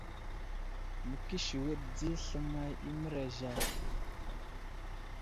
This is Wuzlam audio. Məkəsewiɗ di sləmay i mərez Ja.